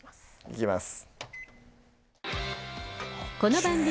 いきます